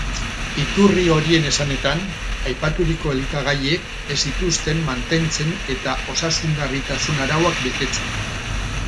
Iturri horien esanetan, aipaturiko elikagaiek ez zituzten mantentze eta osasungarritasun arauak betetzen.